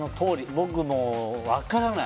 僕も分からない。